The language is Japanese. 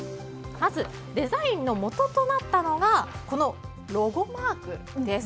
まずデザインのもととなったのがロゴマークです。